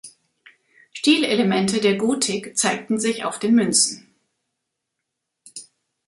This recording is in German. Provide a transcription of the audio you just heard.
Stilelemente der Gotik zeigten sich auf den Münzen.